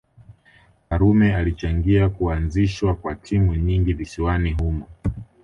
Karume alichangia kuazishwa kwa timu nyingi visiwani humo